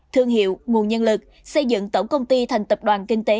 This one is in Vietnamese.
thương hiệu nguồn nhân lực xây dựng tổng công ty thành tập đoàn kinh tế